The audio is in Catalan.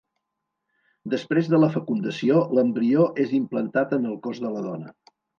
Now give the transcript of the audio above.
Després de la fecundació, l'embrió és implantat en el cos de la dona.